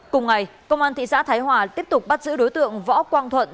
cùng ngày công an thị xã thái hòa tiếp tục bắt giữ đối tượng võ quang thuận